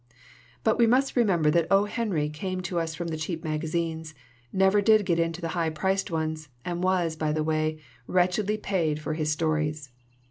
"But we must remember that O. Henry came to us from the cheap magazines, never did get into the higher priced ones, and was, by the way, wretchedly paid for his stories.